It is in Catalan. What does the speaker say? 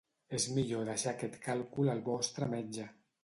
És millor deixar aquest càlcul al vostre metge.